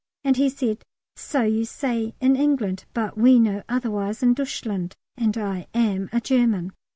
and he said, "So you say in England, but we know otherwise in Deutschland, and I am a German."